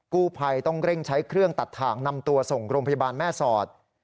กู้ภัยต้องเร่งใช้เครื่องตัดถ่างนำตัวส่งโรงพยาบาลแม่สอด